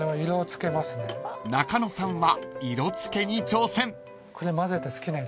［中野さんは色つけに挑戦］